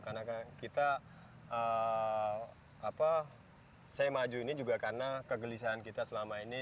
karena kita apa saya maju ini juga karena kegelisahan kita selama ini